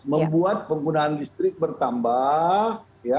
membuat penggunaan listrik bertambah